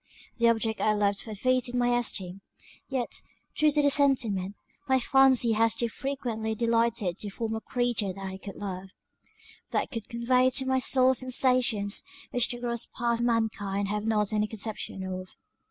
The object I loved forfeited my esteem; yet, true to the sentiment, my fancy has too frequently delighted to form a creature that I could love, that could convey to my soul sensations which the gross part of mankind have not any conception of."